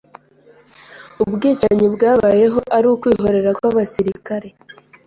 ubwicanyi bwabayeho ari ukwihorera kw'abasirikare